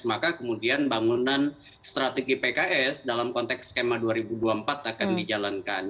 maka kemudian bangunan strategi pks dalam konteks skema dua ribu dua puluh empat akan dijalankan